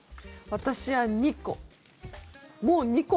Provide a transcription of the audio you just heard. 私は２個。